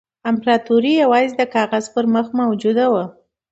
امپراطوري یوازې د کاغذ پر مخ موجوده وه.